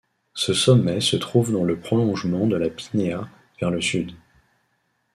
Ce sommet se trouve dans le prolongement de la Pinéa vers le sud.